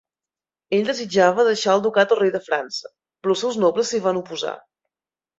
Ell desitjava deixar el ducat al rei de França, però els seus nobles s'hi van oposar.